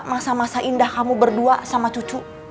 masa masa indah kamu berdua sama cucu